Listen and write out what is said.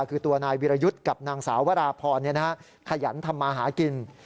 คือตัวนายวิรยุทธ์กับนางสาววราพรขยันทำมาหากิน